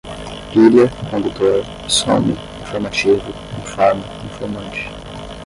pilha, condutor, somem, informativo, informa, informante